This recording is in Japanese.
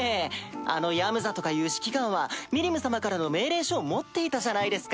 あのヤムザとかいう指揮官はミリム様からの命令書を持っていたじゃないですか。